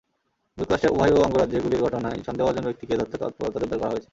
যুক্তরাষ্ট্রের ওহাইও অঙ্গরাজ্যে গুলির ঘটনায় সন্দেহভাজন ব্যক্তিকে ধরতে তৎপরতা জোরদার করা হয়েছে।